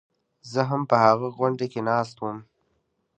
زه هم په هغه غونډه کې ناست وم.